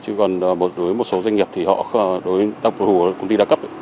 chứ còn đối với một số doanh nghiệp đối với đặc biệt là công ty đa cấp